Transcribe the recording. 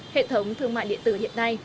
hệ thống thương mại điện tử hiện nay